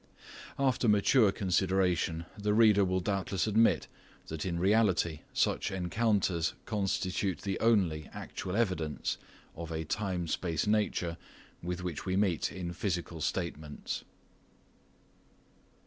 After mature consideration the reader will doubtless admit that in reality such encounters constitute the only actual evidence of a time space nature with which we meet in physical statements.